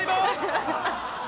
ハハハハ！